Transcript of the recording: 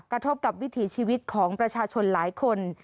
กระทบกับวิถีชีวิตของประชาชนหลายคน